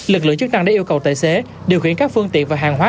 lực lượng chức năng đã yêu cầu tài xế điều khiển các phương tiện và hàng hóa